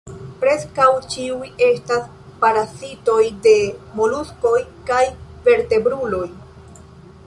Preskaŭ ĉiuj estas parazitoj de moluskoj kaj vertebruloj.